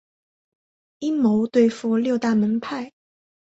阴谋对付六大门派。